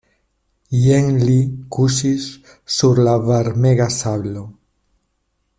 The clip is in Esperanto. Jen li kuŝis sur la varmega sablo.